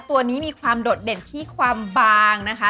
ตัวนี้มีความโดดเด่นที่ความบางนะคะ